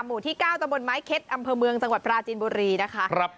หมู่ที่๙ตะบนไม้เค็ดอำเภอเมืองจังหวัดปราจีนบุรีนะคะ